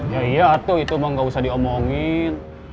ya iya tuh itu emang gak usah diomongin